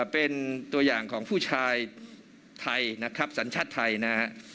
เป็นตัวอย่างของผู้ชายไทยนะครับสัญชาติไทยนะฮะ